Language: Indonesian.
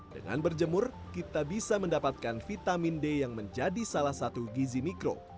dengan berjemur kita bisa mendapatkan vitamin d yang menjadi salah satu gizi mikro